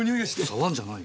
触るんじゃないよ！